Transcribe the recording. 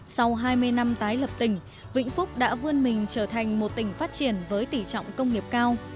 sau hai mươi năm tái lập tỉnh vĩnh phúc đã vươn mình trở thành một tỉnh phát triển với tỉ trọng công nghiệp cao